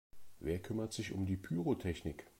Wer kümmert sich um die Pyrotechnik?